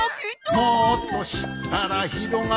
「もっとしったらひろがるよ」